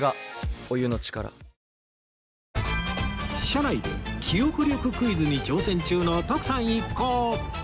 車内で記憶力クイズに挑戦中の徳さん一行